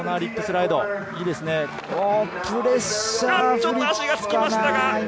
ちょっと足がつきました。